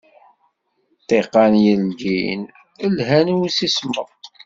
Ṭṭiqan yeldin llhan i usismeḍ.